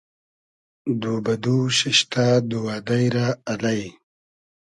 دو بۂ دو شیشتۂ دووئدݷ رۂ الݷ